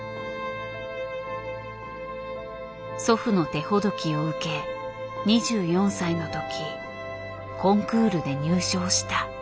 祖父の手ほどきを受け２４歳の時コンクールで入賞した。